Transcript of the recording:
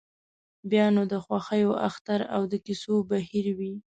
بیا نو د خوښیو اختر او د کیسو بهیر وي.